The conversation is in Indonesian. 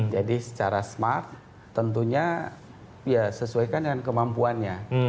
secara smart tentunya ya sesuaikan dengan kemampuannya